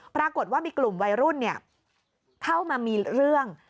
ปรากฏว่ามีกลุ่มวัยรุ่นเข้ามามีเรื่อง